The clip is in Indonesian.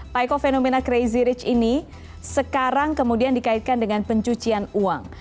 pak eko fenomena crazy rich ini sekarang kemudian dikaitkan dengan pencucian uang